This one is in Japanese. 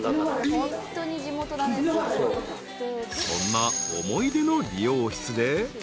［そんな思い出の理容室で］